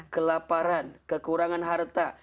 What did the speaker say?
kelaparan kekurangan harta